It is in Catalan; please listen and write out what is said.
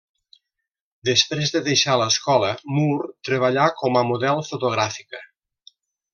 Després de deixar l'escola, Moore treballà com a model fotogràfica.